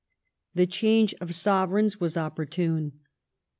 The change of Sovereigns was opportune.